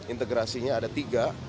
integrasinya ada tiga